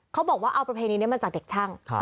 เขาบอกว่าเอาประเพณีนี้มาจากเด็กช่าง